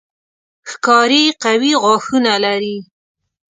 ښکاري قوي غاښونه لري.